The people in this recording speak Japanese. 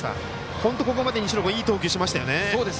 本当にここまで西野君いい投球してました。